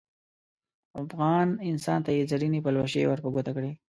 افغان انسان ته یې زرینې پلوشې ور په ګوته کړې.